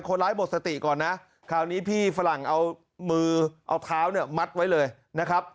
คนร้ายหมดสติก่อนนะคราวนี้พี่ฝรั่งเอามือเอาเท้าเนี่ยมัดไว้เลยนะครับ